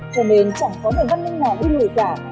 cho nên chẳng có người văn minh nào đi người cả